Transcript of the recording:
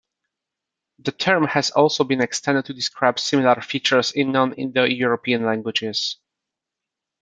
The term has also been extended to describe similar features in non-Indo-European languages.